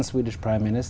ở quốc gia việt nam